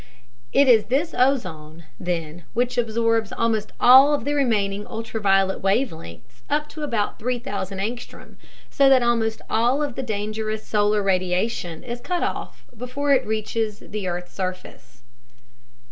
It is this ozone then which absorbs almost all of the remaining ultraviolet wavelengths up to about 3,000 A, so that almost all of the dangerous solar radiation is cut off before it reaches the earth's surface.